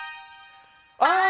あ！